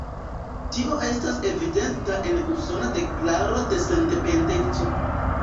Tio estas evidenta en "Usona Deklaro de Sendependeco".